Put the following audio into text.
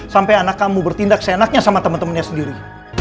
sampai anak kamu bertindak seenaknya sama teman temannya sendiri